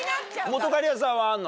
本仮屋さんはあるの？